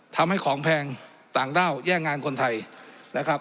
ทำให้ของแพงต่างด้าวแย่งงานคนไทยนะครับ